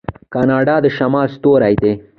کاناډا د شمال ستوری دی.